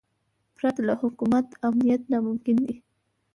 پرته له حکومت امنیت ناممکن دی.